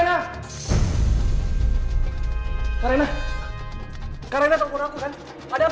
aku cuma pengen tahu aja